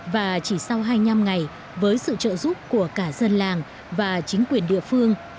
và chỉ sau hai mươi năm ngày với sự trợ giúp của cả dân làng và chính quyền địa phương